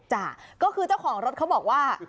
จ้ะก็คือเจ้าของรถเขาบอกว่า